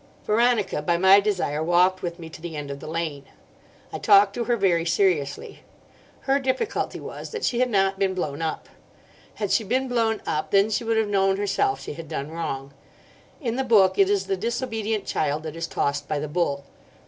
Veronica, by my desire, walked with me to the end of the lane. I talked to her very seriously. Her difficulty was that she had not been blown up. Had she been blown up, then she would have known herself she had done wrong. In the book it is the disobedient child that is tossed by the bull.